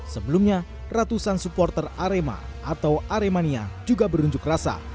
sebelumnya ratusan supporter arema atau aremania juga berunjuk rasa